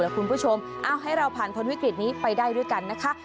คุณผู้ชมเอาให้เราผ่านทนวิกฤตนี้ไปได้ด้วยกันนะคะ